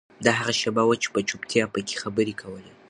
دا هغه شیبه وه چې چوپتیا پکې خبرې کولې.